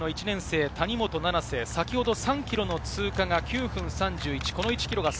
名城大学の１年生・谷本七星、先ほど３ｋｍの通過が９分３１。